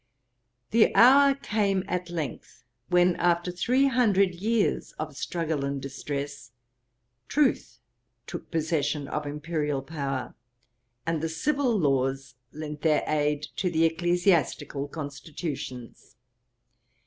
'The hour came at length, when after three hundred years of struggle and distress, Truth took possession of imperial power, and the civil laws lent their aid to the ecclesiastical constitutions.